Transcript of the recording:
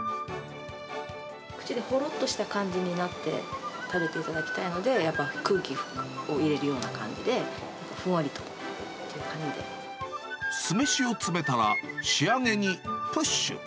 口でほろっとした感じになって、食べていただきたいので、やっぱり空気を入れるような感じ酢飯を詰めたら、仕上げにプッシュ。